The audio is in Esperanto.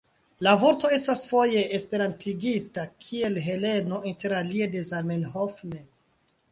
La vorto estas foje esperantigita kiel Heleno, interalie de Zamenhof mem.